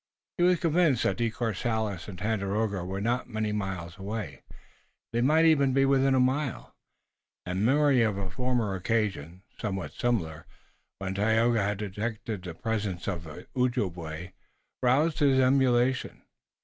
He was convinced that De Courcelles and Tandakora were not many miles away they might even be within a mile and memory of a former occasion, somewhat similar, when Tayoga had detected the presence of the Ojibway, roused his emulation.